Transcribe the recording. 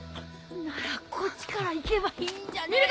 ならこっちから行けばいいんじゃねえの？